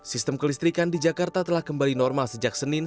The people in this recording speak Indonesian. sistem kelistrikan di jakarta telah kembali normal sejak senin